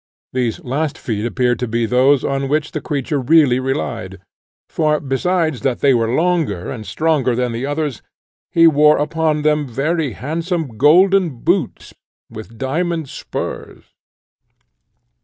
These last feet appeared to be those on which the creature really relied; for besides that they were longer and stronger than the others, he wore upon them very handsome golden boots with diamond spurs.